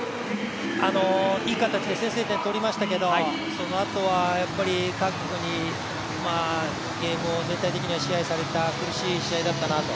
いい形で先制点を取りましたけれども、そのあとは韓国にゲームを全体的には支配された苦しい試合だったなと。